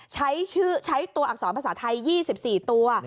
ใช้ตัวอักษรภาษาไทย๒๔ตัว